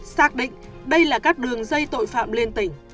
xác định đây là các đường dây tội phạm liên tỉnh